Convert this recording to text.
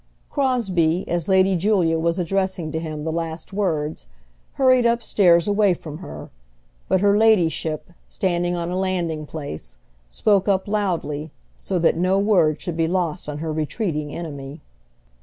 Crosbie, as Lady Julia was addressing to him the last words, hurried upstairs away from her, but her ladyship, standing on a landing place, spoke up loudly, so that no word should be lost on her retreating enemy.